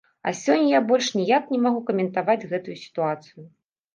А сёння я больш ніяк не магу каментаваць гэтую сітуацыю.